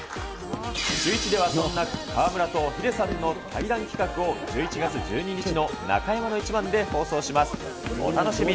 シューイチではそんな河村とヒデさんの対談企画を、１１月１２日の中山のイチバンで放送します。